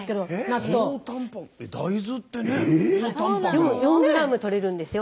でも４ｇとれるんですよ